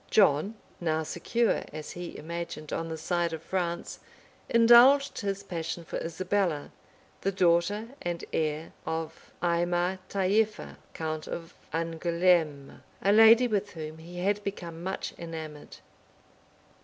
John, now secure, as he imagined, on the side of France indulged his passion for Isabella, the daughter and heir of Aymar Tailleffer, count of Angouleme, a lady with whom he had become much enamored.